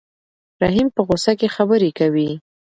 رحیم په غوسه کې خبرې کوي.